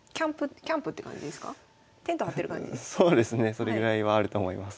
それぐらいはあると思います。